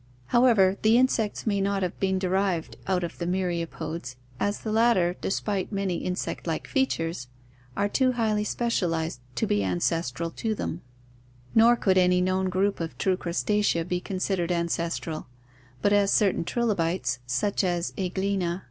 However, the q A insects may not have been derived out of the myria pods as the latter, despite many in sect like features, are too highly spec ialized to be ances tral to them; nor could any known group of true Crus tacea be considered ancestral, but as certain trilobites, such as Jiglina (Fig.